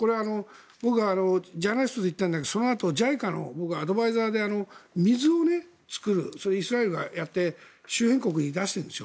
僕、ジャーナリストで行ったけどそのあとＪＩＣＡのアドバイザーで水を作るイスラエルがやって周辺国に出しているんですよ。